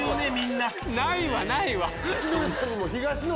ないわないわ！